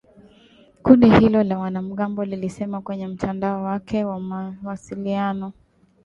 Kundi hilo la wanamgambo lilisema kwenye mtandao wake wa mawasiliano.